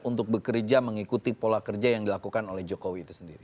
untuk bekerja mengikuti pola kerja yang dilakukan oleh jokowi itu sendiri